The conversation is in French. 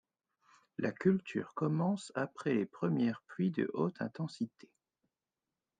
La culture commence après les premières pluies de haute intensité.